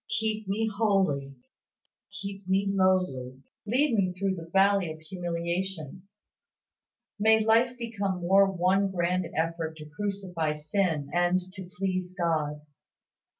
Keep me holy. Keep me lowly. Lead me through the valley of humiliation. May life become more one grand effort to crucify sin and to please God.